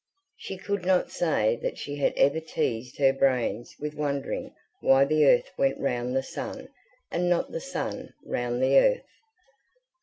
She could not say that she had ever teased her brains with wondering why the earth went round the sun and not the sun round the earth.